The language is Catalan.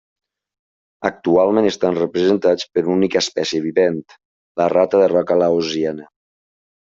Actualment estan representats per una única espècie vivent, la rata de roca laosiana.